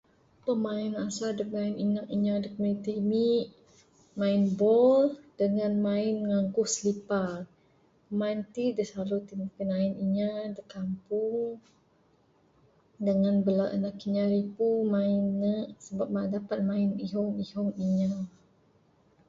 Pemain asal da anak inya da komuniti ami main bol dangan main nangku slipa. Main ti da silalu pinain inya da kampung dangan anak inya ripu main ne dapat main ihong ihong inya